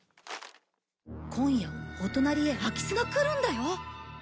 今夜お隣へ空き巣が来るんだよ。